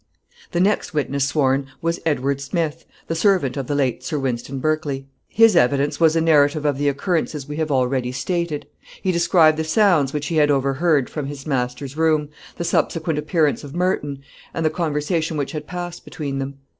The next witness sworn was Edward Smith, the servant of the late Sir Wynston Berkley. His evidence was a narrative of the occurrences we have already stated. He described the sounds which he had overheard from his master's room, the subsequent appearance of Merton, and the conversation which had passed between them.